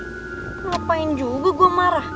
kenapa juga gue marah